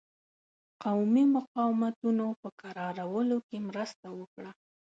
قومي مقاومتونو په کرارولو کې مرسته وکړه.